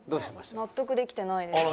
納得できてないです。